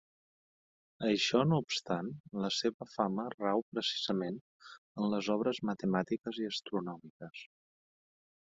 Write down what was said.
Això no obstant, la seva fama rau precisament en les obres matemàtiques i astronòmiques.